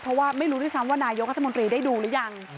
เพราะว่าไม่รู้ด้วยซ้ำว่านายกรัฐมนตรีได้ดูหรือยัง